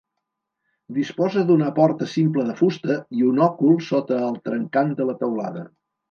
Disposa d'una porta simple de fusta i un òcul sota el trencant de la teulada.